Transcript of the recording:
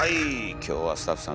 今日はスタッフさん